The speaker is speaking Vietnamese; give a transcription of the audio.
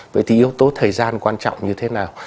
vậy thì yếu tố thời gian quan trọng như thế nào